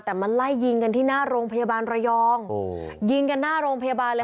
แต่มาไล่ยิงกันที่หน้าโรงพยาบาลระยองยิงกันหน้าโรงพยาบาลเลย